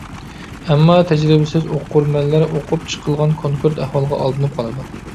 ئەمما تەجرىبىسىز ئوقۇرمەنلەر توقۇپ چىقىلغان كونكرېت ئەھۋالغا ئالدىنىپ قالىدۇ.